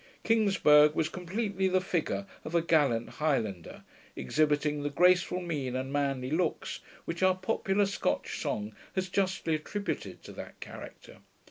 Kingsburgh was completely the figure of a gallant highlander, exhibiting 'the graceful mien and manly looks', which our popular Scotch song has justly attributed to that character.